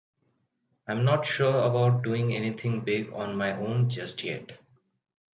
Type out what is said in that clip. I'm not sure about doing anything big on my own just yet.